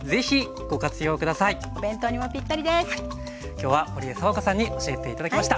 今日はほりえさわこさんに教えて頂きました。